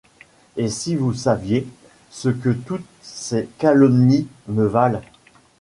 Et si vous saviez ce que toutes ces calomnies me valent…